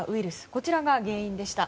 こちらが原因でした。